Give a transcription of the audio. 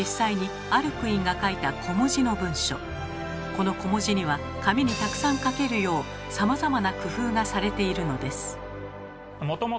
この小文字には紙にたくさん書けるようさまざまな工夫がされているのです。